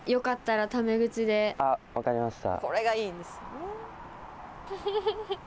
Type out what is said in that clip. あっ分かりました。